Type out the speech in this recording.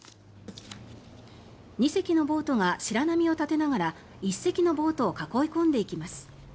２隻のボートが白波を立てながら１隻のボートを囲い込んでいきます。